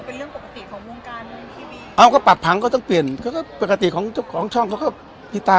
วงการเอ้าก็ปรับพังก็ต้องเปลี่ยนก็ก็ปกติของของช่องเขาก็พี่ตา